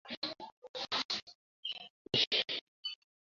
বলে বিপ্রদাস তাকে পাশে টেনে নিয়ে এল।